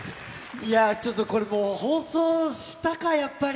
いやー、ちょっとこれもう、放送したか、やっぱり。